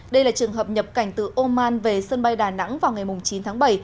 đây là trường hợp nhập cảnh từ oman về sân bay đà nẵng vào ngày chín tháng bảy